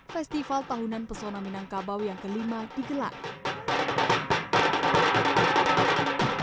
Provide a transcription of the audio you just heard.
festival tahunan pesona minangkabau yang kelima digelar